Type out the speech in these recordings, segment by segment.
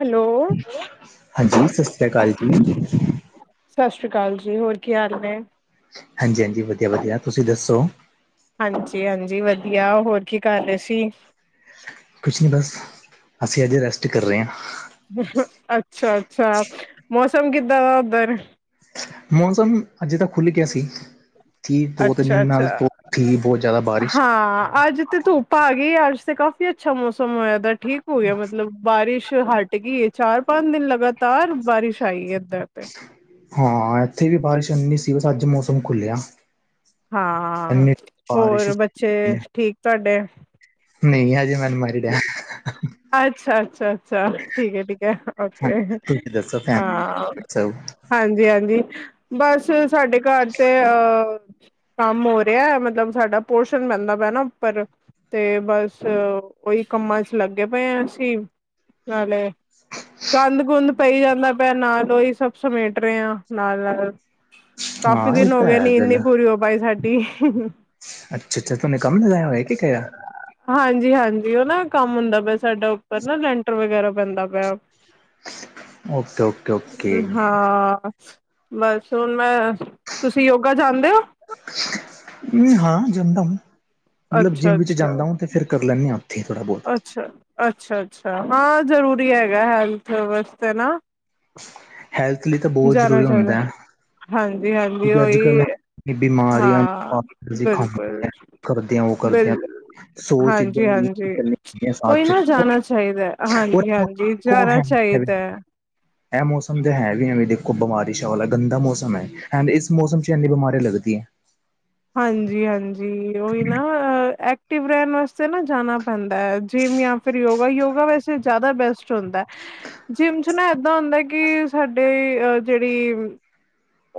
Hello. ਹਾਂਜੀ, ਸਤਿ ਸ਼੍ਰੀ ਅਕਾਲ ਜੀ। ਸਤਿ ਸ਼੍ਰੀ ਅਕਾਲ ਜੀ, ਹੋਰ ਕੀ ਹਾਲ ਨੇ? ਹਾਂਜੀ ਹਾਂਜੀ, ਵਧੀਆ ਵਧੀਆ, ਤੁਸੀਂ ਦੱਸੋ? ਹਾਂਜੀ -ਹਾਂਜੀ ਵਧੀਆ, ਹੋਰ ਕੀ ਕਰ ਰਹੇ ਸੀ? ਕੁਛ ਨਹੀਂ ਬਸ, ਅਸੀਂ ਅੱਜ ਰੈਸਟ ਕਰ ਰਹੇ ਹਾਂ। ਅੱਛਾ ਅੱਛਾ, ਮੌਸਮ ਕਿੱਦਾਂ ਵਾ ਉਧਰ? ਮੌਸਮ, ਅੱਜੇ ਤੱਕ ਖੁੱਲ ਗਿਆ ਸੀ। ਠੀਕ ਦੋ, ਤ ਅੱਛਾ ਅੱਛਾ ਨਾਲ ਠੀਕ ਬਹੁਤ ਜ਼ਿਆਦਾ ਬਾਰਿਸ਼ ਹਾਂ, ਅੱਜ ਤੇ ਧੁੱਪ ਪਾ ਗਈ ਅੱਜ ਤੇ ਕਾਫ਼ੀ ਅੱਛਾ ਮੌਸਮ ਹੋਇਆ ਪਿਆ, ਠੀਕ ਹੋ ਗਿਆ ਮਤਲਬ, ਬਾਰਿਸ਼ ਹਟ ਗਈ। ਚਾਰ - ਪੰਜ ਦਿਨ ਲਗਾਤਾਰ ਬਾਰਿਸ਼ ਆਈ ਹੈ, ਇੱਧਰ ਤੇ। ਹਾਂ, ਇੱਥੇ ਵੀ ਬਾਰਿਸ਼ ਇਨੀ ਸੀ, ਬਸ ਅੱਜ ਮੌਸਮ ਖੁੱਲਿਆ। ਹਾਂ, ਇੰਨੀ ਬਾਰਿਸ਼ ਹੋਰ ਬੱਚੇ ਠੀਕ ਤੁਹਾਡੇ? ਨਹੀਂ, ਹਜੇ ਮੈ ਅਨਮੈਰਿਡ ਆ। ਅੱਛਾ -ਅੱਛਾ ਅੱਛਾ, ਠੀਕ ਹੈ ਠੀਕ ਹੈ, ਹਾਂ ਓਕੇ ਹ ਤੁਸੀਂ ਦੱਸੋ ਫੈਮਲੀ ਸਭ ਹਾਂਜੀ ਹਾਂਜੀ, ਬਸ ਸਾਡੇ ਘਰ ਤੇ ਅਹ ਕੰਮ ਹੋ ਰਿਹਾ ਮਤਲਬ, ਸਾਡਾ ਪੋਸ਼ਣ ਪੈਂਦਾ ਪੈ ਨਾ ਉੱਪਰ ਤੇ ਬਸ, ਉਓਹੀ ਕੰਮਾਂ 'ਚ ਲੱਗੇ ਪਏ ਹਾਂ ਅਸੀਂ, ਨਾਲੇ ਗੰਦ- ਗੁੰਦ ਪਈ ਜਾਂਦਾ ਮੈਂ ਨਾਲੋਂ ਹੀ ਸਭ ਸਮੇਟ ਰਹੇ ਹਾਂ, ਨਾਲ - ਨਾਲ। ਕਾਫੀ ਹਾਂ ਇਹ ਦਿਨ ਹੋ ਤਾਂ ਗਏ, ਹੈ ਨੀਂਦ ਨੀ ਗੱਲ ਪੂਰੀ ਹੋ ਪਾਈ ਸਾਡੀ। ਅੱਛਾ ਅੱਛਾ, ਤ ਉਹਨੇ ਕੰਮ ਲਗਾਇਆ ਹੋਇ ਹੈ ਕੀ ਘਰ ਦਾ? ਹਾਂਜੀ ਹਾਂਜੀ ਉਹ ਨਾ ਕੰਮ ਹੁੰਦਾ ਪਿਆ ਸਾਡਾ, ਉੱਪਰ ਨਾ ਲੈਂਟਰ ਵਗੈਰਾ ਪੈਂਦਾ ਪਿਆ। ਓਕੇ ਓਕੇ ਓਕੇ ਹਾਂ। ਬਸ ਹੁਣ ਮੈਂ, ਤੁਸੀਂ ਯੋਗਾ ਜਾਦੇ ਹੋ? ਹ ਹਾਂ, ਜਂਂਦਾ। ਮਤਲਬ ਜਿੰਮ ਵਿੱਚ ਅੱਛਾ-ਅੱਛਾ ਜਾਂਦਾਓ, ਤੇ ਫਿਰ ਕਰ ਲੈਂਨੇ ਹਾਂ। ਉੱਥੇ ਥੋੜ੍ਹਾ, ਬੋਤ। ਅੱਛ, ਅੱਛਾ, ਅੱਛਾ ਹਾਂ। ਜ਼ਰੂਰੀ ਹੈਗਾ ਹੈਲਥ ਵਾਸਤੇ ਨਾ। ਹੈਲਥ ਲਈ ਤਾਂ ਬਹੁਤ ਜਾਣਾ ਜ਼ਰੂਰੀ ਚਾਹੀਦਾ ਹੁੰਦਾਏ ਹਾਂਜੀ-ਹਾਂਜੀ ਕਿਉਂਕਿ ਅੱਜ ਉਹੀ ਕੱਲ ਬਿ ਬਿਮਾਰੀਆਂ ਹਾਂ ਅਸੀ ਬਿਲਕੁਲ ਖਾਂਦੇ ਕਰਦੇਆਂ ਉਹ ਬਿਲ ਕਰਦੇਆਂ ਸੌ ਚੀਜ਼ਾਂ ਹਾਂਜੀ-ਹਾਂਜੀ ਚੱਲੀਆਂਦੀ ਸਾ [unintelligible] [unintelligible] ਉਹੀ ਨਾ ਜਾਣਾ ਚਾਹੀਦਾ ਹਾਂਜੀ-ਹਾਂਜੀ ਜਾਣਾ ਹਾਂਜੀ ਚਾਹੀਦਾ ਹੈ। ਐਮੋਸਮ ਹੈ ਵੀ ਐ ਵੀ ਦੇਖੋ ਬਿਮਾਰੀਸ਼ਾ ਵਾਲਾ ਗੰਦਾ ਮੌਸਮ ਹੈ, ਐਂਡ ਇਸ ਮੌਸਮ ਚ ਐੰਨੀ ਬਿਮਾਰੀਆਂ ਲੱਗਦੀ ਹੈ। ਹਾਂਜੀ ਹਾਂਜੀ, ਉਹੀ ਨਾ ਐਕਟਿਵ ਰੈਣ ਵਾਸਤੇ ਨਾ ਜਾਣਾ ਹੁੰਦਾਏ ਜਿੰਮ ਜਾਂ ਫਿਰ ਯੋਗਾ ਯੋਗਾ ਵੈਸੇ ਜ਼ਿਆਦਾ ਬੈਸਟ ਹੁੰਦਾਏ ਜਿੰਮ ਚ ਨਾ ਏਦਾਂ ਹੁੰਦਾ ਕਿ ਸਾਡੀੇ ਅਹ ਜੇੜੀ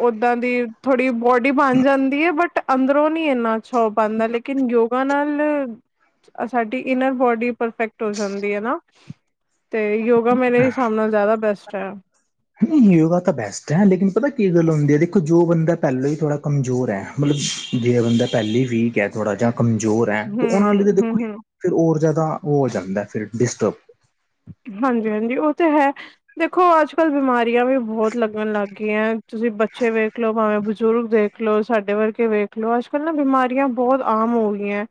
ਓਦਾਦੀ ਥੋੜ੍ਹੀ ਬੋਡੀ ਬਣ ਜਾਂਦੀ ਹੈ ਬਟ ਅੰਦਰੋਂ ਨੀ ਇਨਾ ਕੁਛ ਹੋ ਪਾਂਦਾ, ਲੇਕਿਨ ਯੋਗਾ ਨਾਲ ਸਾਡੀ ਇਨਰ ਬੋਡੀ ਪਰਫੈਕਟ ਹੋ ਜਾਂਦੀ ਹੈ ਨਾ, ਤੇ ਯੋਗਾ ਮੇਰੇ ਹਿਸਾਬ ਨਾਲ ਜ਼ਿਆਦਾ ਬੈਸਟ ਹੈ। ਨਹੀਂ ਯੋਗਾ ਤਾਂ ਬੈਸਟ ਹੈ, ਲੇਕਿਨ ਪਤਾ ਕੀ ਗੱਲ ਹੁੰਦੀ ਹੈ, ਦੇਖੋ ਜੋ ਬੰਦਾ ਪੈਲਾਂ ਹੀ ਥੋੜ੍ਹਾ ਕਮਜ਼ੋਰ ਹੈ ਮਤਲਬ ਜਿਹਾ ਬੰਦਾ ਪੈਲੇ ਵੀਕ ਹੈ ਥੋੜ੍ਹਾ ਜਾ ਕਮਜ਼ੋਰ ਹੈ, ਤੇ ਉਹਣਾ ਹਮ ਆਲੀ ਤਾਂ ਦੇਖੋ ਹਮ ਹਮ ਫਿਰ ਹੋਰ ਜਾਦਾ ਉਹ ਹੋ ਜਾਂਦਾਏ, ਫਿਰ ਡਿਸਟਰਬ ਹਾਂਜੀ ਹਾਂਜੀ ਉਹ ਤਾਂ ਹੈ ਦੇਖੋ ਅੱਜ ਕੱਲ ਬਿਮਾਰੀਆਂ ਵੀ ਬੋਤ ਲੱਗਣ ਲੱਗ ਗਈਆਂ ਐ, ਤੁਸੀਂ ਬੱਚੇ ਵੇਖ ਲਓ ਭਾਵੇਂ ਬਜ਼ੁਰਗ ਦੇਖਲੋ ਦੇਖਲੋ ਸਾਡੇ ਵਰਗੇ ਵੇਖਲੋ, ਅੱਜ ਕੱਲ ਨਾ ਬਿਮਾਰੀਆਂ ਬੋਤ ਆਮ ਹੋ ਗਈਆਂ ਐ।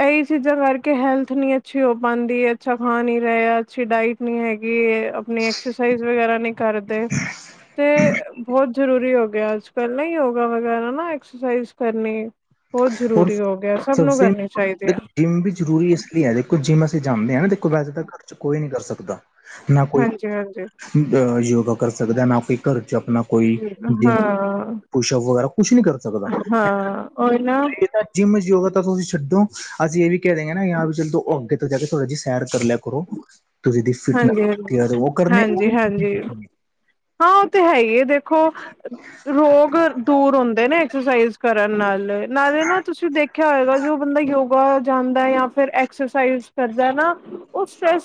ਇਹੀ ਚੀਜ਼ਾਂ ਕਰਕੇ ਹੈਲਥ ਨਹੀਂ ਅੱਛੀ ਹੋ ਪਾਂਦੀ ਹੈ। ਅੱਛਾ ਖਾ ਨੀ ਰਹੇ ਹਾਂ, ਅੱਛੀ ਡਾਇਟ ਨਹੀਂ ਹੈਗੀਐ। ਆਪਣੀ ਐਕਸਰਸਾਈਜ਼ ਵਗੈਰਾ ਨਹੀਂ ਕਰਦੇ, ਤੇ ਬੋਤ ਜਰੂਰੀ ਹੋਗਿਆ ਅੱਜ ਪੈਲਾਂ ਯੋਗਾ ਵਗੈਰਾ ਨਾ ਐਕਸਰਸਾਈਜ਼ ਕਰਨੀੇਏ ਬੋਤ ਔਰ ਜ਼ਰੂਰੀ ਹੋ ਗਿਆਏ, ਸਭ ਨੂੰ ਸਭਸੇ ਕਰਨੀ ਦੇਖੋ ਚਾਈਦੀਆਂ। ਜਿੰਮ ਵੀ ਜ਼ਰੂਰੀ ਇਸ ਲਈ ਹੈ, ਦੇਖੋ ਜਿੰਮ ਅਸੀਂ ਜਾਂਦੇ ਹਾ ਨਾ ਦੇਖੋ ਵੈਸੇ ਤਾਂ ਘਰ 'ਚ ਕੋਈ ਨਹੀਂ ਕਰ ਸਕਦਾ ਨਾ ਕੋਈ ਹਾਂਜੀ ਹਾਂਜੀ ਅਹ ਯੋਗਾ ਕਰ ਸਕਦਾ ਨਾ ਕੋਈਭੀ ਘਰ ਚ ਆਪਣਾ ਕੋਈ ਜਿਮ ਹਾਂ ਪੁਸ਼ਪ ਵਗੈਰਾ ਕੁਛ ਨੀ ਕਰ ਸਕਦਾ। ਹਾਂ ਉਹੀ ਨਾ ਜਿੰਮ ਵਿੱਚ ਯੋਗਾ ਤਾਂ ਤੁਸੀਂ ਛੱਡੋ, ਅਸੀਂ ਇਹ ਵੀ ਕਹਿ ਦਿੰਗੇ ਨਾ ਯ ਵੀ ਜਦ ਅੱਗੇ ਉਪਰ ਜਾ ਕੇ ਥੋੜਾ ਜੇਹੀ ਸੈਰ ਕਰ ਲਿਆ ਕਰੋ ਤੁਸੀ, ਫਿਟਨ ਹਾਂਜੀ ਹਾਂਜੀ ਉਹ ਕਰਨੇ ਉਹ ਹਾਂਜੀ ਹਾਂਜੀ ਹਾਂ ਉਹ ਤੇ ਹੈ ਹੀ ਹੈ ਦੇਖੋ, ਰੋਗ ਦੂਰ ਹੁੰਦੇ ਨੇ ਐਕਸਰਸਾਈਜ਼ ਕਰਨ ਨਾਲ ਨਾਲੇ ਨਾ ਤੁਸੀਂ ਦੇਖ ਖਿਆ ਹੋਏਗਾ ਜੋ ਬੰਦਾ ਯੋਗਾ ਜਾਂਦਾ ਜਾਂ ਫਿਰ ਐਕਸਰਸਾਈਜ਼ ਕਰਦਾ ਨਾ ਉਹ ਸਟਰ੍ਰੈਸ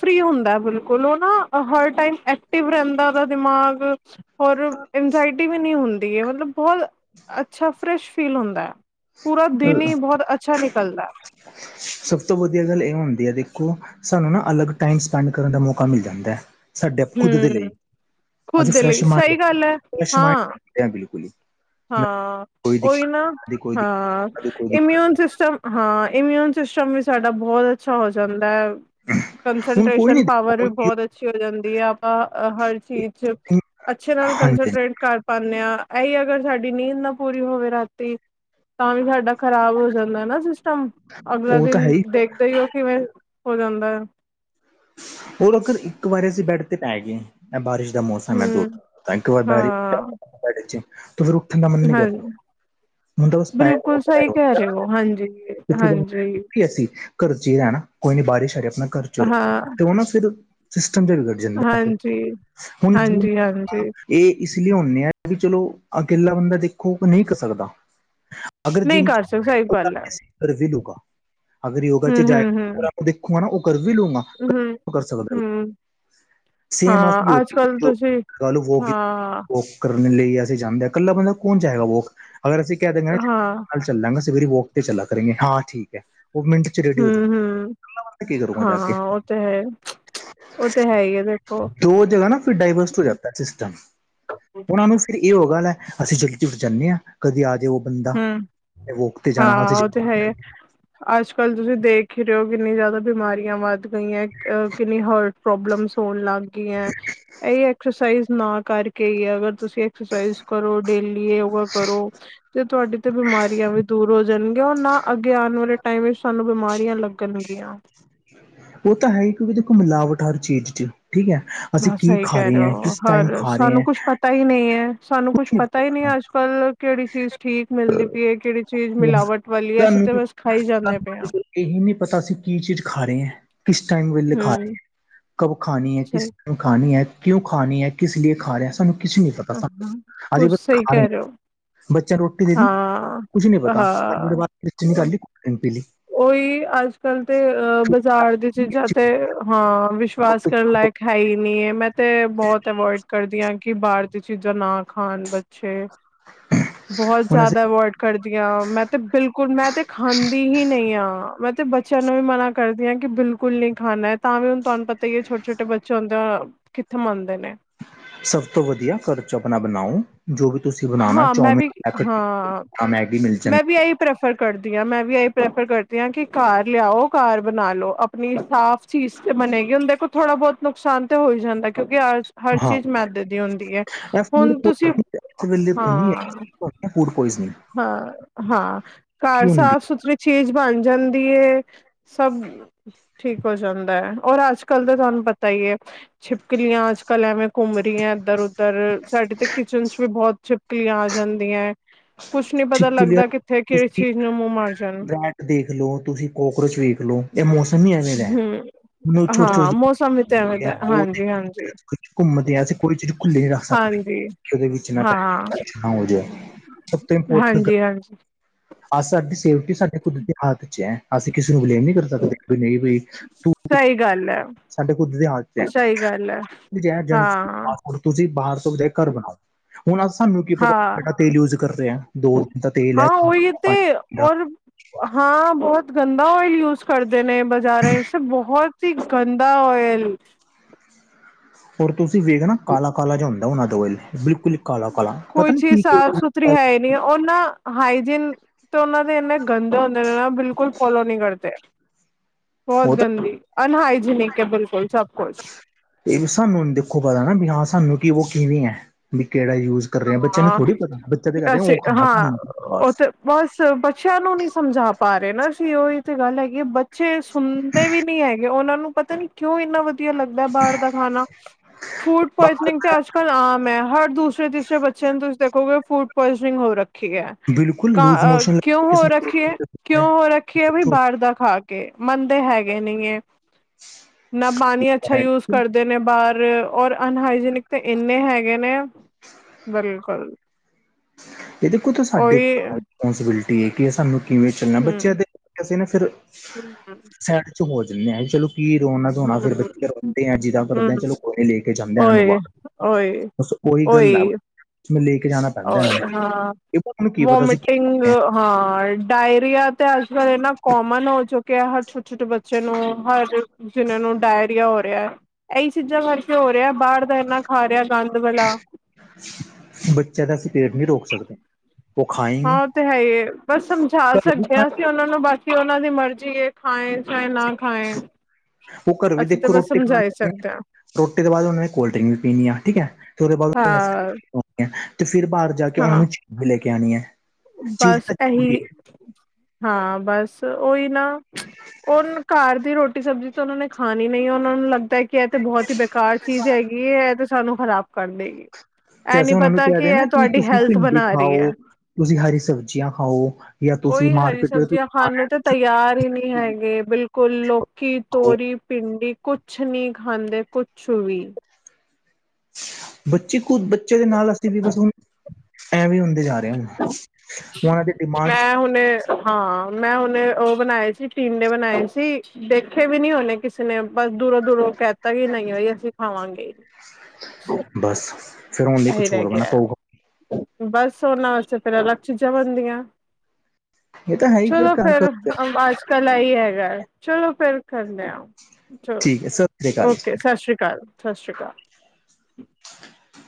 ਫਰੀ ਹੁੰਦਾ ਬਿਲਕੁਲ ਉਹ ਨਾ ਹਰ ਟੈਮ ਐਕਟਿਵ ਰੈਂਦਾ ਦਿਮਾਗ ਹੋਰ ਇੰਜਾਇਟੀ ਵੀ ਨੀ ਹੁੰਦੀ ਹੈ ਮਤਲਬ ਬੋਤ ਅੱਛਾ ਫਿਲ ਫੀਲ ਹੁੰਦਾ ਹੈ ਪੂਰਾ ਦਿਨ ਅਹ, ਹੀ ਬੋਤ ਅੱਛਾ ਨਿਕਲਦਾਏ ਸਭ ਤੋਂ ਵਧੀਆ ਗੱਲ ਇਹ ਹੁੰਦੀ ਹੈ ਦੇਖੋ ਸਾਨੂੰ ਨਾ ਅਲੱਗ ਟਾਈਮ ਸਪੈਂਡ ਕਰਨ ਦਾ ਮੌਕਾ ਮਿਲ ਜਾਂਦਾ ਹੈ। ਸਾਡੇ ਖੁਦ ਦੇ ਹਮ ਲਈ, ਖੁਦ ਅਸੀ ਦੇ ਲਈ ਫਰੈਸ਼ ਮਾਇੰਡ ਸਹੀ ਗੱਲ ਹੈ ਫਰੈਸ਼ ਮਾਇੰਡ ਹਾਂ। ਹੋ ਜਾਂਦਾ ਬਿਲਕੁਲ ਹੀ। ਨਾ ਹਾਂ ਕੋਈ ਦਿੱਕਤ ਉਹੀ ਨਾ, ਕਦੇ ਕੋਈ ਹਾਂ ਦਿੱਕਤ ਕਦੇ ਕੋਈ ਦਿੱਕਤ ਇਮਿਊਨ ਸਿਸਟਮ ਹਾਂ ਇਮਿਊਨ ਸਿਸਟਮ ਵੀ ਸਾਡਾ ਬੋਤ ਅੱਛਾ ਹੋ ਜਾਂਦਾ ਹੈ। ਹੁਣ ਕੋਈ ਕੰਸਟ੍ਰੇਸ਼ਨ ਨੀ ਪਾਵਰ ਵੀ ਬੋਤ ਅੱਛੀ ਹੋ ਜਾਂਦੀ ਹੈ ਆਪਾਂ ਹਰ ਚੀਜ਼ ਚ ਅੱਛੇ ਨਾਲ ਹਾਂਜੀ ਕੰਸਟਰੇੇਟ ਕਰ ਪਾਦੇ ਹਾਂ ਇਹੀ ਅਗਰ ਸਾਡੀ ਨੀਂਦ ਨਾ ਪੂਰੀ ਹੋਵੇ ਰਾਤੀ ਤਾਂ ਵੀ ਸਾਡਾ ਖ਼ਰਾਬ ਹੋ ਜਾਂਦਾ ਨਾ ਸਿਸਟਮ ਅਗਲਾ ਉਹ ਤਾਂ ਹੈ ਦਿਨ ਹੀ ਦੇਖਦੇ ਹੀ ਹੋ ਕਿਵੇਂ ਹੋ ਜਾਂਦਾ ਐ ਉਹ ਲੋਕ ਇੱਕ ਵਾਰੀ ਅਸੀਂ ਬੈਡ ਤੇ ਪੈ ਗਏ ਮੈਂ ਬਾਰਿਸ਼ ਦਾ ਮੌਸਮ ਐ ਦੋ ਹਮ ਇੱਕ ਵਾਰ ਬਰੀ ਹਾਂ [unintelligible] ਫਿਰ ਉੱਠਣ ਦਾ ਮਨ ਨਹੀਂ ਕਰਦਾ ਹਾਂਜੀ ਹੁਣ ਤਾਂ ਬਸ ਪਏ ਬਿਲਕੁਲ ਪਏ ਸਹੀ ਕਹਿ ਰਹੇ ਹੋ ਹਾਂਜੀ ਹਾਂਜੀ [unintelligible] ਅਸੀਂ ਕਰ ਚ ਈ ਰਹਿਣਾ ਕੋਈ ਨਾ ਬਾਰਿਸ਼ ਆ ਰਹੀ ਆ ਆਪਣਾ ਘਰ ਚ ਰੋ ਹਾਂ ਤੇ ਉਹ ਨਾ ਫਿਰ ਸਿਸਟਮ ਦੇ ਜਾਂਦਾ ਫਿਰ ਹਾਂਜੀ ਹੁਣ [unintelligible] ਹਾਂਜੀ-ਹਾਂਜੀ ਇਹ ਇਸ ਲਈ ਹੁੰਨੇ ਆ ਵੀ ਚਲੋ ਅਕੇਲਾ ਬੰਦਾ ਦੇਖੋ ਨਹੀਂ ਕਰ ਸਕਦਾ। ਅਗਰ ਨਹੀਂ ਜਿੰਮ ਕਰ ਸਕ ਸਹੀ [unintelligible] ਗੱਲ ਹੈ ਕਰ ਵੀ ਲੂਗਾ ਅਗਰ ਯੋਗਾ ਚ ਜਾਏਗਾ ਪੂਰਾ ਦੇਖੂਗਾ ਨਾ ਉਹ ਕਰ ਵੀ ਲੂੰਗਾ ਹੂੰ ਕਰ ਸਕਦਾ ਵੀ ਹੂੰ। ਸੇਮ ਹਾਂ, ਅਸੀਂ ਅੱਜ ਯੋਗ ਕੱਲ ਜੋ ਤੁਸੀਂ ਲਗਾ ਲਓ ਵੋਕ ਹਾਂ। ਵੋਕ ਕਰਨ ਲਈ ਅਸੀਂ ਜਾਂਦੇ ਹਾਂ। ਇਕੱਲਾ ਬੰਦਾ ਕੌਣ ਜਾਏਗਾ ਵੋਕ, ਅਗਰ ਅਸੀਂ ਕਹਿ ਦਿੰਨੇ ਆਂ ਅੱਜ ਚੱਲਾਂਗਾ ਸਵੇਰੇ ਵੋਕ ਤੇ ਚਲਾ ਕਰੇਗੇ ਹਾਂ ਠੀਕ ਹੈ। ਉਹ ਮਿੰਟ 'ਚ ਰੇਡੀ ਹੋ ਜਾਊ। ਉਥੇ ਕੀ ਕਰੂੰਗਾ ਜਾ ਕੇ? ਤਾਂ ਹੈ। ਉਹ ਤੇ ਹੈ ਹੀ ਹੈ ਦੇਖੋ ਦੋ ਜਗ੍ਹਾ ਨਾ ਫਿਰ ਡਾਇਵਰਸਟ ਹੋ ਜਾਤਾ ਸਿਸਟਮ। ਉਹਨਾਂ ਨੂੰ ਫਿਰ ਇਹ ਹੋ ਗੱਲ ਆ, ਅਸੀਂ ਜਲਦੀ ਉਠ ਜਾਂਦੇ ਹਾਂ ਕਦੇ ਆ ਜੇ ਓ ਬੰਦਾ, ਹੂੰ ਵੋਕ ਤੇ ਜਾਣਾ ਹਾਂ ਹੋਏ ਉਹ ਤੇ ਹੈ [unintelligible] ਅੱਜ ਕੱਲ੍ਹ ਤੁਸੀਂ ਦੇਖ ਹੀ ਰਹੇ ਹੋ। ਕਿੰਨੀ ਜ਼ਿਆਦਾ ਬਿਮਾਰੀਆਂ ਵੱਧ ਗਈਆਂ ਅਹ ਕਿੰਨੀ ਹੋਰ ਪ੍ਰੋਬਲਮਸ ਹੋਣ ਲੱਗ ਗਈਆਂ। ਇਹ ਐਕਸਰਸਾਈਜ਼ ਨਾ ਕਰ ਕੇ, ਅਗਰ ਤੁਸੀਂ ਐਕਸਰਸਾਈਜ਼ ਕਰੋ ਡੇਲੀ ਯੋਗਾ ਕਰੋ। ਤੇ ਤੁਹਾਡੀ ਤੋ ਬਿਮਾਰੀਆਂ ਵੀ ਦੂਰ ਹੋ ਜਾਣਗੀਆਂ ਔਰ ਨਾ ਅੱਗੇ ਆਉਣ ਵਾਲੇ ਟਾਈਮ ਵਿੱਚ ਸਾਨੂੰ ਬਿਮਾਰੀਆਂ ਲੱਗਣਗੀਆਂ। ਉਹ ਤਾਂ ਹੈ ਹੀ, ਕਿਉਂਕਿ ਦੇਖੋ ਮਿਲਾਵਟ ਹਰ ਚੀਜ਼ 'ਚ ਠੀਕ ਹੈ। ਅਸੀਂ ਬਸ ਕੀ ਸਹੀ ਖਾ ਕਹਿ ਰਹੇ ਆਂ? ਹੋ ਕਿਸ ਟਾਈਮ ਹਰ ਖਾ ਰਹੇ ਸਾਨੂੰ ਆਂ? ਕੁਛ ਪਤਾ ਹੀ ਨਹੀਂ ਹੈ। ਸਾਨੂੰ ਕੁਛ ਪਤਾ ਹੀ ਨਹੀਂ ਅੱਜ ਕੱਲ ਕਿਹੜੀ ਚੀਜ਼ ਠੀਕ ਮਿਲਦੀ ਪਈਏ ਕਿਹੜੀ ਚੀਜ਼ ਹੋਰ ਮਿਲਾਵਟ ਵਾਲੀ ਆ, ਅਸੀਂ ਤੁਹਾਨੂੰ ਤਾਂ ਬਸ ਖਾਈ ਜਾਂਦੇ ਤੁਹਾਨੂੰ ਪਏ ਆਂ। ਅੱਜ ਕੱਲ ਇਹੀ ਨਹੀਂ ਪਤਾ ਅਸੀਂ ਕੀ ਚੀਜ਼ ਖਾ ਰਹੇ ਆਂ। ਕਿਸ ਟਾਈਮ ਵੇਲੇ ਖਾ ਰਹੇ ਆਂ, ਹਮ ਕੱਬ ਖਾਣੀ ਆਂ। ਸਹੀ ਕਿਸ ਖਾਣੀ ਹੈ। ਕਿਉਂ ਖਾਣੀ ਹੈ? ਕਿਸ ਲਈਏ ਖਾ ਰਹੇ ਆਂ। ਸਾਨੂੰ ਕੁਛ ਨਹੀਂ ਪਤਾ ਹਾਂ ਸਾਨੂੰ, ਅਜੇ ਕੁਛ ਬ ਸਹੀ ਖਾ ਰਹੇ ਕਹਿ ਹੋ ਆਂ। ਬੱਚਿਆਂ ਨੂੰ ਰੋਟੀ ਦੇ ਦੀ? ਹਾਂ ਕੁੱਝ ਨਹੀਂ ਪਤਾ ਹਾਂ [unintelligible] ਪੀਲੀ। ਉਹੀ ਅੱਜ ਕੱਲ ਤੇ, ਬਾਜ਼ਾਰ ਦੀ ਚੀਜ਼ਾਂ ਤੇ, ਹਾਂ ਵਿਸ਼ਵਾਸ ਕਰਨ ਲਾਇਕ ਹੈ ਈ ਨੀ ਆ। ਮੈਂ ਤੇ ਬਹੁਤ ਅਵੋਇਡ ਕਰਦੀ ਹਾਂ। ਕੀ ਬਾਹਰ ਦੀਆਂ ਚੀਜ਼ਾਂ ਨਾ ਖਾਨ ਬੱਚੇ। ਬਹੁਤ ਹੁਣ ਜ਼ਿਆਦਾ ਅਸੀਂ ਅਵੋਰਡ ਕਰਦੀਆਂ। ਮੈਂ ਤੇ ਬਿਲਕੁਲ ਮੈਂ ਤੇ ਖਾਂਦੀ ਹੀ ਨੀ ਨਹੀਂ ਆ। ਮੈਂ ਤੇ ਬੱਚਿਆਂ ਨੂੰ ਵੀ ਮਨਾ ਕਰਦੀ ਹਾਂ ਕਿ ਬਿਲਕੁਲ ਨੀ ਖਾਣਾ ਤਾਂ ਵੀ ਹੁਣ ਤੁਹਾਨੂੰ ਪਤਾ ਹੀ ਐ, ਛੋਟੇ ਛੋਟੇ ਬੱਚੇ ਹੁੰਦੇ ਆ ਕਿੱਥੇ ਮੰਨਦੇ ਨੇ। ਸਭ ਤੋਂ ਵਧੀਆ ਘਰ ਚ ਆਪਣਾ ਬਣਾਓ। ਜੋ ਵੀ ਤੁਸੀਂ ਬਣਾਉਣਾ, ਹਾਂ ਮੈਂ ਵੀ ਚੋਮਿਨੈ, ਹਾਂ [unintelligible] ਮੈਗੀ ਮਿਲ ਜਾਂਦੀ। ਮੈਂ ਵੀ ਇਹੀ ਪ੍ਰੈਫਰ ਕਰਦੀ ਆਂਮੈਂ ਵੀ ਇਹੀ ਪ੍ਰੈਫਰ ਕਰਦੀ ਹਾਂ ਕਿ ਕਾਰ ਲਿਆਓ ਕਾਰ ਬਣਾ ਲਓ। ਆਪਣੀ ਸਾਫ਼ ਚੀਜ਼ ਤੇ ਬਣੇਗੀ। ਹੁਣ ਦੇਖੋ ਥੋੜ੍ਹਾ ਬਹੁਤ ਨੁਕਸਾਨ ਤੇ ਹੋ ਹੀ ਜਾਂਦਾ। ਕਿਉਂਕਿ ਆਜ ਹਰ ਚੀਜ਼ ਮੈਦੇ ਦੀ ਹੁੰਦੀ ਐ। ਹੁਣ ਤੁਸੀਂ ਫੂਡ ਪੋਇਜ਼ਨਿੰਗ ਹਾਂ-ਹਾਂ-ਹਾਂ। ਕੀ ਘਰ ਹੁੰਦੀ? ਸਾਫ਼ ਸੁਥਰੀ ਚੀਜ਼ ਬਣ ਜਾਂਦੀ ਏ। ਸਭ ਠੀਕ ਹੋ ਜਾਂਦਾ ਐ, ਔਰ ਅੱਜ ਕੱਲ ਤਾਂ ਤੁਹਾਨੂੰ ਪਤਾ ਹੀ ਐ। ਛਿਪਕਲੀਆਂ ਅੱਜ ਕੱਲ ਐਵੇਂ ਘੁੰਮ ਰਹੀਆਂ ਇੱਧਰ ਉਧਰ, ਸਾਡੇ ਤੇ ਕਿਚਨ 'ਚ ਵੀ ਬਹੁਤ ਝਿਪਕਲੀਆਂ ਆ ਜਾਂਦੀਆਂ। ਕੁਛ ਨੀ ਪਤਾ ਚਿਪਕਲੀਆਂ ਲੱਗਦਾ, ਕਿੱਥੇ, ਕਿਸ ਚੀਜ਼ ਨੂੰ, ਮੂੰਹ ਮਰ ਜਾਣ। ਦੇਖਲੋ, ਤੁਸੀਂ ਕੋਕਰੋਚ ਵੇਖ ਲਓ, ਇਹ ਮੌਸਮ ਹੀ ਏਦਾ ਦਾ ਹੈ। ਹੂੰ ਹੁਣ ਹਾਂ, ਮੌਸਮ ਵੀ ਤੇ ਐਵੇਂ ਛੋਟੇ-ਛੋਟੇ ਤੇ, ਉਹ ਹਾਂਜੀ-ਹਾਂਜੀ। ਘੁੰਮਦੇ ਐ, ਅੱਜ ਕੋਈ ਚੀਜ਼ ਖੁਲੀ ਨੀ ਰੱਖ ਸਕਦੇ। ਹਾਂਜੀ ਹਾਂ। ਆਉਂਦਿਆਂ, ਸਭ ਤੋਂ ਇਪੋਰ ਜੀ ਹਾਂਜੀ। ਅ ਸਾਡੀ ਸੇਫਟੀ, ਸਾਡੇ ਖੁਦ ਦੀ ਹੱਥ ਚ ਏ। ਅਸੀਂ ਕਿਸੇ ਨੂੰ ਬਲੇਮ ਨੀ ਕਰਦੇ। ਸਕਦੇ ਨਹੀਂ ਵੀ ਤੂੰ ਸਹੀ ਗੱਲ ਹੈ ਸਾਡੇ ਕੁੱਦ ਦੀ ਸਹੀ ਗੱਲ ਹੈ ਹ ਜੰ ਹਾਂ ਹੁਣ ਤੁਸੀਂ, ਬਾਹਰ ਤੋਂ ਵ ਘਰ ਬਣਾਓ। ਹੁਣ ਅ ਸਾਨੂੰ ਕੀ ਪਤਾ, ਹਾਂ ਕਿਹੜਾ ਤੇਲ ਯੂਜ ਕਰ ਰਹੇ ਹਾਂ। ਦੋ ਤਕ ਈ ਹਾਂ, ਉਹਹੀ ਤੇ ਔਰ ਹਾਂ, ਬਹੁਤ ਗੰਦਾ ਓਇਲ ਯੂਜ ਕਰਦੇ ਨੇ, ਬਜ਼ਾਰਾ ਵਿਚ, ਬਹੁਤ ਹੀ ਗੰਦਾ ਦਾ ਓਇਲ। ਹੋਰ ਤੁਸੀਂ ਵੇਖ ਨਾ, ਕਾਲਾ-ਕਾਲਾ ਜ ਹੁੰਦਾ, ਉਹਨਾਂ ਦਾ ਓਇਲ ਬਿਲਕੁਲ ਕਾਲਾ-ਕਾਲਾ ਕੋਈ ਪਤਾ ਨੀ ਚੀਜ਼ ਕੀ-ਕੀ ਉਹਦੇ ਸਾਫ਼ ਵਿੱਚ ਸੁਥਰੀ ਡਲ ਹੈ ਹੀ ਨੀ ਉਹਨਾਂ ਹਾਈਜੀਨ ਤੇ, ਉਹਨਾਂ ਦੇ ਇੰਨੇ ਗੰਦੇ ਹੁੰਦੇ ਨੇ, ਬਿਲਕੁਲ ਫੋਲੋ ਨੀ ਕਰਦੇ। ਬਹੁਤ ਉਹ ਤਾਂ ਗੰਦੀ ਅਨਹਾਈਜੀਨਿਕ ਹੈ, ਬਿਲਕੁਲ ਸਭ ਕੁਛ ਇਹ ਸਾਨੂੰ ਦੇਖੋ, ਪਤਾ ਨਾ ਵੀ ਹਾਂ, ਸਾਨੂੰ ਕਿ ਉਹ ਕਿਵੇਂ ਹੈ, ਵੀ ਕਿਹੜਾ ਯੂਜ ਕਰ ਰਹੇ ਬੱਚਿਆਂ ਨੂੰ ਹਾਂ ਥੋੜੀ ਪਤਾ, ਬੱਚਾ ਕਹਿਦੇ ਅਸੀਂ ਉਹ ਖਾਣਾ ਹਾਂ ਕਾਈਦਾ ਉਹ ਬਸ। ਤੇ ਬਸ ਬੱਚਿਆਂ ਨੂੰ ਨਹੀਂ ਸਮਝਾ ਪਾ ਰਹੇ ਨਾਸੀ, ਉਹ ਇਹ ਤੇ ਗੱਲ ਹੈਗੀ ਹੈ ਬਚੇ ਸੁਣਦੇ ਵੀ ਨੀ ਹੈਗੇ, ਉਹਨਾਂ ਨੂੰ ਪਤਾ ਨੀ, ਕਿਉਂ ਇੰਨਾ ਵ ਲੱਗਦਾ ਬਾਹਰ ਦਾ ਖਾਣਾ, ਫੂਡ ਬਾਹਰ ਪੁਆਇਜ਼ਨਿੰਗ ਤੇ ਅੱਜ ਕੱਲ ਆਮ ਹੈ, ਹਰ ਦੂਸਰੇ ਦੀ ਬੱਚਿਆਂ-ਬੱਚਿਆਂ ਨੂੰ ਤੁਸੀਂ ਦੇਖੋਗੇ, ਫੂਡ ਪਇਜਨਿੰਗ ਹੋ ਰੱਖੀ ਹੈ, ਬਿਲਕੁਲ ਲੂਜ ਘਰ ਮੋਸ਼ਨ ਕਿਉਂ ਹੋ ਕਿਸੇ ਰੱਖੀ ਹੈ? ਕਿਉਂ ਹੋ ਰੱਖੀ ਹੈ? ਬਈ ਨੂੰ ਬਾਹਰ ਦਾ ਖਾਕ ਕ ਮੰਨਦੇ ਹੈਗੇ ਨਹੀਂ ਹੈ, ਨਾ ਪਾਣੀ ਅੱਛਾ ਯੂਜ ਕਰਦੇ ਨੇ ਬਾਹਰ। ਫਿਰ ਔਰ ਅਨਹਾਈਜੀਨਿਕ ਤੇ ਇੰਨੇ ਹੈਗੇ ਨੇ ਬਿਲਕੁਲ। ਇਹ ਦੇਖੋ ਤਾਂ ਸਾਡੇ ਉਹੀ ਘਰ, ਰਪੋਂਸੀਬਿਲਿਟੀ ਹੈ, ਕਿ ਸਾਨੂੰ ਕਿਵੇਂ ਚੱਲਣਾ ਬੱਚਿਆਂ ਹਮ ਦੇ, ਅਸੀ ਨਾ ਫਿਰ ਸੈਡ ਚ ਹੋ ਜਾਂਦੇ ਹਾਂ, ਚਲੋ ਕੀ ਰੋਣਾ ਧੋਣਾ, ਫਿਰ ਹਮ ਬੱਚੇ ਰੋਂਦੇ ਆ, ਜਿਦ ਕਰਦੇ ਚਲੋ ਕੋੋਲੇ ਲੈ ਕੇ ਜਾਂਦੇ, ਇਹੂੰ ਬਾਹਰ। ਓਏ-ਓਏ। ਮ ਲੈ ਕੇ ਜਾਣਾ। ਓ ਪੈਂਦਾ ਇਹਨਾਂ ਨੂੰ ਹਾਂ, ਇਹ ਪਤਾ ਨੂੰ ਕੀ ਪਤਾ ਸੀ ਕੀ ਵੋਮੀਟਿੰਗ ਕਰਦੇ ਹਾਂ, ਡਾਇਰੀਆ ਤੇ ਅੱਜ ਕੱਲ ਇਨਾ ਕੋਮਨ ਹੋ ਚੁੱ ਕ ਹਰ ਛੋਟੇ-ਛੋਟੇ ਬੱਚੇ ਨੂੰ, ਹਰ ਜਿਨਾ ਨੂੰ ਡਾਇਰੀਆ ਹੋ ਰਿਹਾ ਹੈ ਇਹੀ ਚੀਜ਼ਾਂ ਕਰਰਕੇ ਹੋ ਰਿਹਾ, ਬਾਹਰ ਦਾ ਇੰਨਾ ਖਾ ਰਿਹਾ ਗੰਦ ਵਲਾ। ਬੱਚਿਆਂ ਦਾ ਅਸੀਂ ਪੇਟ ਨਹੀਂ ਰੋਕ ਸਕਦੇ। ਉਹ ਖਾਏਂਗੇ ਹਾਂ, ਉਹ ਤੇ ਹੈ ਹੀ, ਪਰ ਸਮਝਾ ਘਰ ਵੀ ਸਕਦੇ ਹਾਂ, ਅਸੀਂ ਖਾਣਗੇ ਉਹਨਾਂ ਨੂੰ ਬਾਕੀ ਉਹਨਾਂ ਦੀ ਮਰਜ਼ੀ ਏ। ਖਾਏ, ਚਾਹੇ ਨਾ ਖਾਏ। ਉਹ ਘਰ ਵੀ ਅਸੀਂ ਤਾਂ ਦੇਖੋ, ਬਸ ਰੋਟੀ ਸਮਝਾ ਖਾਣੀ ਹੀ ਆਪਣੀ ਸਕਦੇ ਹਾਂ ਰੋਟੀ ਦੇ ਬਾਅਦ ਹੁੇੈਂ ਕੋਲਡ ਡਰਿੰਕ ਵੀ ਪੀਨੀ ਆ ਠੀਕ ਹੈ, ਫਿਰ ਉਹਦੇ ਬਾਦ ਓਹਨਾ ਐਸਕਰੀਮ ਤੇ ਫਿਰ ਬਾਹਰ ਜਾ ਕੇ, ਹਾਂ ਉਹਨਾਂ ਹਾਂ ਨੂੰ ਚੀਜ਼ ਵੀ ਲੈ ਕੇ ਆਉਣੀ ਹੈ। ਚੀਜ਼ ਬਸ ਤਾਂ ਜ਼ਰੂਰੀ ਇਹੀ ਹੈ ਹਾਂ। ਬਸ ਉਹੀ ਨਾ ਉਹ ਘਰ ਦੀ ਰੋਟੀ ਸਬਜ਼ੀ ਤਾਂ ਉਹਨਾਂ ਨੇ ਖਾਣੀ ਨਹੀਂ ਉਹਨਾਂ ਨੂੰ ਲੱਗਦਾ ਕਿ ਇਹ ਤੇ ਬਹੁਤ ਹੀ ਬੇਕਾਰ ਚੀਜ਼ ਹੈਗੀ। ਇਹ ਤੇ ਸਾਨੂੰ ਖ਼ਰਾਬ ਕਰ ਦੇਗੀ। ਇਹ ਨੀ ਜੈਸੇ ਉਹਨਾਂ ਨੂੰ ਪਤਾ ਕਹਿ ਕੀ ਦੇ ਨਾ ਇਹ ਕਿ ਤੁਹਾਡੀ ਤੁਸੀਂ ਹੈਲਥ ਭਿੰਡੀ ਬਣਾ ਰਹੀ ਖਾਓ ਹੈ। ਤੁਸੀਂ ਹਰੀ ਸਬਜ਼ੀਆਂ ਖਾਓ ਜਾਂ ਤੁਸੀਂ ਮਾਰਕੀਟ ਚ ਸਾਨੂੰ ਤੇ ਤਿਆਰ ਹੀ ਨਹੀਂ ਹੈਗੇ। ਬਿਲਕੁਲ ਲੌਕੀ ਖਾਓ। ਤੋਰੀ ਭਿੰਡੀ ਕੁਛ ਕੁਛ ਨਹੀਂ। ਖਾਂਦੇ ਕੁਛ ਵੀ ਬੱਚੀ ਖੁਦ ਬੱਚਿਆਂ ਦੇ ਨਾਲ ਦੱਸਦੀ ਵੀ ਬਸ ਹੁਣ ਐਵੇਂ ਵੀ ਹੁੰਦੀ। ਜਾ ਰਹੇ ਹੁਣੁ ਉਹਨਾਂ ਦੇ ਡਿਮਾਂਡ ਮੈਂ ਹੁਣੇ ਹਾਂ, ਮੈਂ ਉਹਨੇ ਉਹ ਬਣਾਏ ਸੀ ਟੀਡੇ ਬਣਾਏ ਸੀ। ਦੇਖੇ ਵੀ ਨੀ ਉਹਨੇ ਕਿਸੇ ਨੇ ਬਸ ਦੂਰੋਂ ਦੂਰੋਂ ਕਹਿਤਾ ਕਿ ਨਹੀਂ ਬਾਈ ਅਸੀਂ ਖਾਵਾਂਗੇ। ਫੇਰ ਆਉਣ ਲਈ ਇਹੀ ਕੁਛ ਰਹਿ ਹੋਰ ਹੋਣਾ ਗਿਆ ਪਊਗਾ। ਬਸ ਉਹਨਾਂ ਵਾਸਤੇ ਫੇਰ ਅਲੱਗ ਚੀਜਾ ਬਣਦੀਆਂ। ਇਹ ਤਾਂ ਹੈ ਹੀ ਫਿਰ ਚਲੋ ਘਰ ਫੇਰ ਘਰ ਅਜ ਕੱਲ ਆਈ ਹੈਗਾ। ਚਲੋ ਫੇਰ ਕਰ ਲਿਆ। ਠੀਕ ਹੈ ਸਤਿ ਸ੍ਰੀ ਚਲੋ ਅਕਾਲ ਜੀ ਓਕੇ ਸਤਿ ਸ਼੍ਰੀ ਅਕਾਲ, ਸਤਿ ਸ਼੍ਰੀ ਅਕਾਲ। [inaudible]